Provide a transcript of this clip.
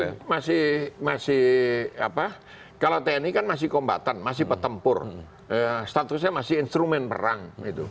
karena ini kan masih kalau tni kan masih kombatan masih petempur statusnya masih instrumen perang